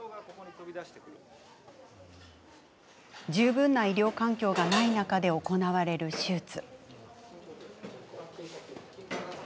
十分な医療環境がない中で行われる手術。